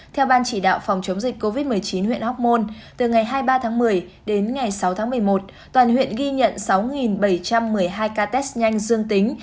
theo ban chỉ đạo phòng chống dịch covid một mươi chín huyện hóc môn từ ngày hai mươi ba tháng một mươi đến ngày sáu tháng một mươi một toàn huyện ghi nhận sáu bảy trăm một mươi hai ca test nhanh dương tính